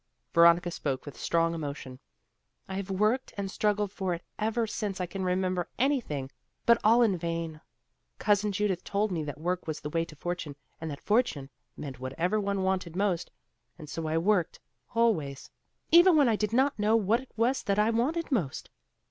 Veronica spoke with strong emotion. "I have worked and struggled for it ever since I can remember anything, but all in vain. Cousin Judith told me that work was the way to fortune, and that 'fortune' meant whatever one wanted most; and so I worked, always, even when I did not know what it was that I wanted most.